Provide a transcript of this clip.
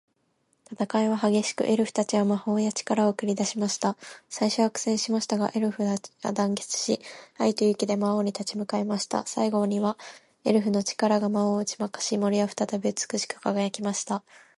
戦いは激しく、エルフたちは魔法や力を繰り出しました。最初は苦戦しましたが、エルフたちは団結し、愛と勇気で魔王に立ち向かいました。最後には、エルフの力が魔王を打ち負かし、森は再び美しく輝きました。